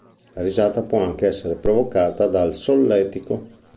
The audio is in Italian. La risata può anche essere provocata dal solletico.